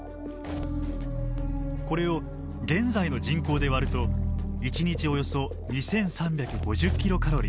これを現在の人口で割ると１日およそ２，３５０ｋｃａｌ。